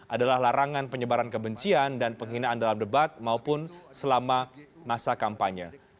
adalah larangan penyebaran kebencian dan penghinaan dalam debat maupun selama masa kampanye